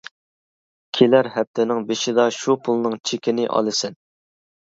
-كېلەر ھەپتىنىڭ بېشىدا شۇ پۇلنىڭ چېكىنى ئالىسەن.